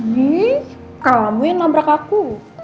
nih kamu yang nabrak aku